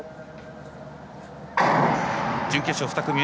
準決勝、２組目。